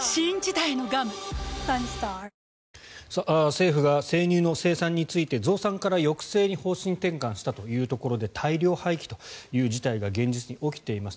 政府が生乳の生産について増産から抑制に方針転換したというところで大量廃棄という事態が現実に起きています。